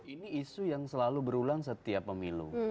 ini isu yang selalu berulang setiap pemilu